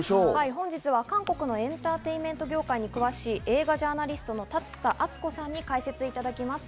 本日は韓国のエンターテインメント業界に詳しい映画ジャーナリストの立田敦子さんに解説していただきます。